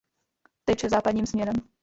Teče západním směrem.